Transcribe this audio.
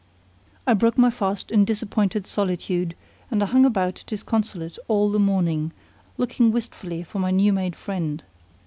I broke my fast in disappointed solitude, and I hung about disconsolate all the morning, looking wistfully for my new made friend.